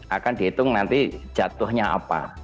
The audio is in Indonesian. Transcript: akan dihitung nanti jatuhnya apa